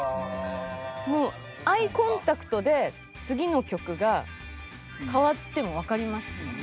もうアイコンタクトで次の曲が変わってもわかりますもんね